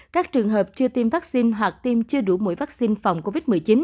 các trường hợp chưa tiêm vaccine hoặc tiêm chưa đủ mũi vaccine phòng covid một mươi chín